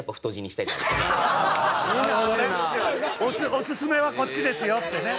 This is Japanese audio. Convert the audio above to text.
オススメはこっちですよ！ってね。